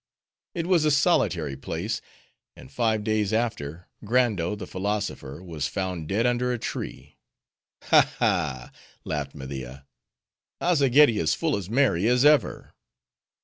It was a solitary place; and five days after, Grando the philosopher was found dead under a tree." "Ha, ha!" laughed Media, "Azzageddi is full as merry as ever."